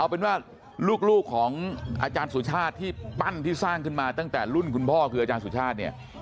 เอาเป็นว่าลูกของอาจารย์สุชาติที่ปั้นที่สร้างขึ้นมาตั้งแต่รุ่นคุณพ่อคืออาจารย์สุชาติเนี่ย